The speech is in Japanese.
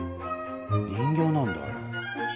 人形なんだあれ。